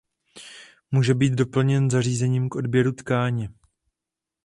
Může být doplněn zařízením k odběru tkáně.